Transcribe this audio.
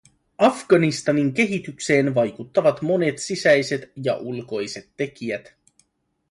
Afganistanin kehitykseen vaikuttavat monet sisäiset ja ulkoiset tekijät.